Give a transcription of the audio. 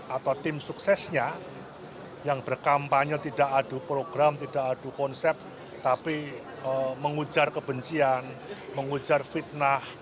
atau tim suksesnya yang berkampanye tidak adu program tidak adu konsep tapi mengujar kebencian mengujar fitnah